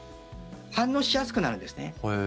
反応しやすくなるんですね。